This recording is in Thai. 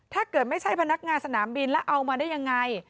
ถ้าเกิดไม่ใช่พนักงานสนามบินแล้วเอามาได้ยังไง